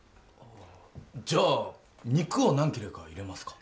じゃあ肉を何切れか入れますか